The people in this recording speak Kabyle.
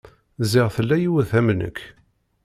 Ziɣ tella yiwet am nekk.